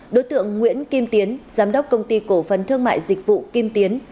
đối tượng nguyễn kim tiến giám đốc công ty cổ phần thương mại dịch vụ kim tiến